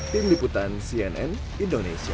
tim liputan cnn indonesia